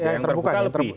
yang tertutup lebih